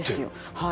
はい。